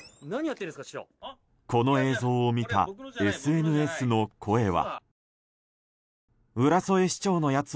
この映像を見たＳＮＳの声は。